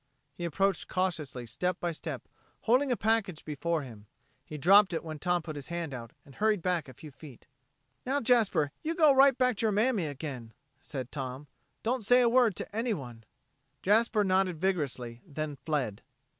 He approached cautiously, step by step, holding a package before him. He dropped it when Tom put his hand out, and hurried back a few feet. "Now, Jasper, you go right back to your mammy again," said Tom. "Don't say a word to anyone." Jasper nodded vigorously, then fled.